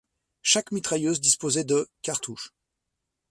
Chaque mitrailleuse disposait de cartouches.